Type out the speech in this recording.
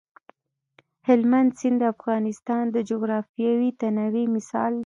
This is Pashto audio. هلمند سیند د افغانستان د جغرافیوي تنوع مثال دی.